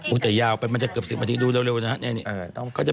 อุ้วแต่ยาวไปมันจะเกือบสิบนาทีดูแล้วนะฮะ